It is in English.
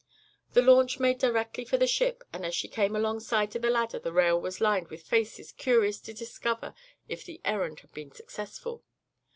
The launch made directly for the ship and as she came alongside to the ladder the rail was lined with faces curious to discover if the errand had been successful.